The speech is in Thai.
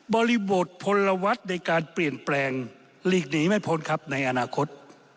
บริบทพลวัตรในการเปลี่ยนแปลงหลีกหนีไม่พ้นครับในอนาคต